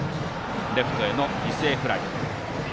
レフトへの犠牲フライ。